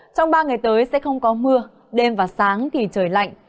trong ba ngày tới sẽ không có mưa đêm và sáng thì trời lạnh